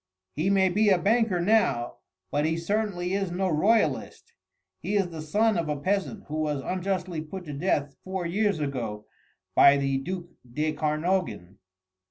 "He may be a banker now ... but he certainly is no royalist he is the son of a peasant who was unjustly put to death four years ago by the duc de Kernogan."